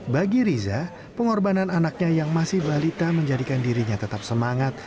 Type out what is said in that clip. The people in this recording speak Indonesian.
bagi riza pengorbanan anaknya yang masih balita menjadikan dirinya tetap semangat